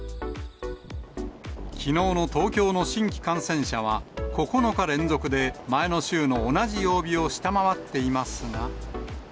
きのうの東京の新規感染者は、９日連続で前の週の同じ曜日を下回っていますが。